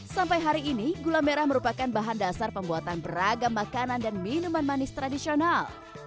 sampai hari ini gula merah merupakan bahan dasar pembuatan beragam makanan dan minuman manis tradisional